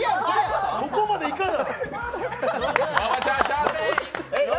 ここまでいかな。